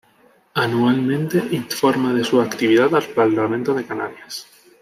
Anualmente, informa sobre su actividad al Parlamento de Canarias.